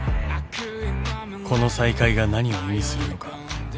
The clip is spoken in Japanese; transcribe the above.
［この再会が何を意味するのか